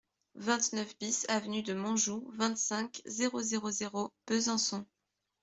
vingt-neuf BIS avenue de Montjoux, vingt-cinq, zéro zéro zéro, Besançon